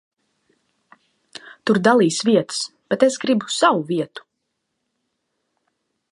Tur dalīs vietas, bet es gribu savu vietu.